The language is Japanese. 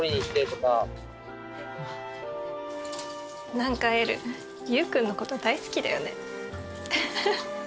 何かエルゆう君のこと大好きだよね。